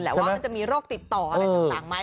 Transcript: ว่ามันจะมีโรคติดต่ออะไรต่างไหม